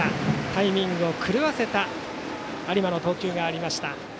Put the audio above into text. タイミングを狂わせた有馬の投球でした。